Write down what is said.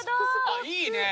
いいね！